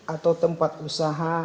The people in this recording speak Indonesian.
atau tempat usaha